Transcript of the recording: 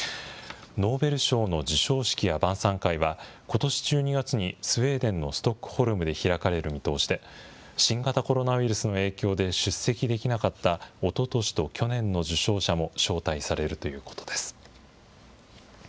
ノーベル賞の授賞式や晩さん会は、ことし１２月にスウェーデンのストックホルムで開かれる見通しで、新型コロナウイルスの影響で出席できなかった、おととしと去年の受賞者も招待されるということです。